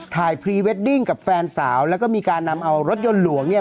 พรีเวดดิ้งกับแฟนสาวแล้วก็มีการนำเอารถยนต์หลวงเนี่ย